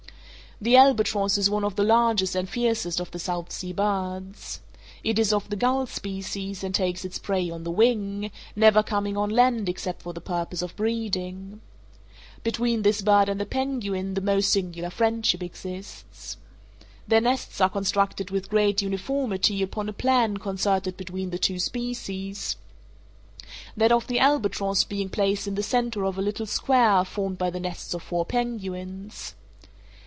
The albatross is one of the largest and fiercest of the South Sea birds. It is of the gull species, and takes its prey on the wing, never coming on land except for the purpose of breeding. Between this bird and the penguin the most singular friendship exists. Their nests are constructed with great uniformity upon a plan concerted between the two species—that of the albatross being placed in the centre of a little square formed by the nests of four penguins.